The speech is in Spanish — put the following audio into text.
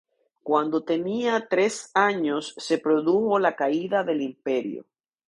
Cuando tenía tres años, se produjo la caída del Imperio.